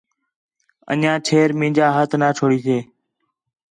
انڄیاں چھیر مینجا ہتھ نہ چھوڑے